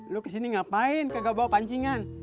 lo kesini ngapain kegebol pansingan